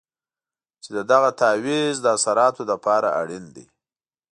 چې د دغه تعویض د اثراتو لپاره اړین دی.